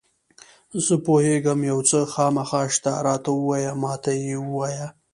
زه پوهېږم یو څه خامخا شته، راته ووایه، ما ته یې ووایه.